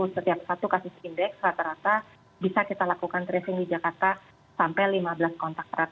setiap satu kasus indeks rata rata bisa kita lakukan tracing di jakarta sampai lima belas kontak erat